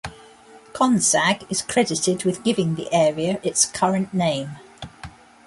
Consag is credited with giving the area its current name.